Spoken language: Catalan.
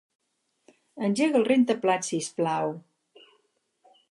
Engega el rentaplats siusplau!